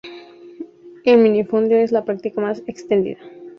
El minifundio es la práctica más extendida.